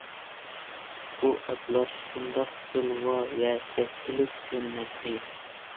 بۇ ئاتلار شۇنداق زىلۋا ۋە بەستلىك كۆرۈنەتتى.